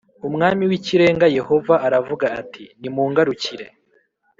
Umwami w’ Ikirenga Yehova aravuga ati nimungarukire